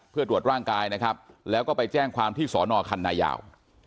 เพื่อตรวจร่างกายนะครับแล้วก็ไปแจ้งความที่สอนอคันนายาว